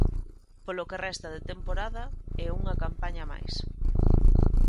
Polo que resta de temporada e unha campaña máis.